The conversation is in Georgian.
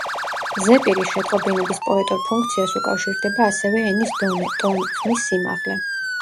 ზეპირი შეტყობინების პოეტურ ფუნქციას უკავშირდება ასევე ენის დონე, ტონი, ხმის სიმაღლე.